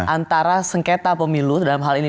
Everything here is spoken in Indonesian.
antara sengketa pemilu dalam hal ini